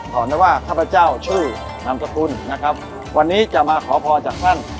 ขออนุญาตว่าข้าพเจ้าชื่อนำสมคุณนะครับวันนี้จะมาขอพรจากท่าน